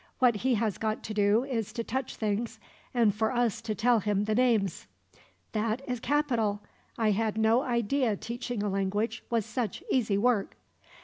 "What he has got to do is to touch things, and for us to tell him the names." "That is capital. I had no idea teaching a language was such easy work."